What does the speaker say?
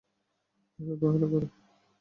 তাকে অবহেলা করে।